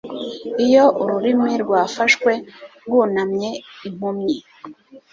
Iyo ururimi rwafashwe rwunamye impumyi,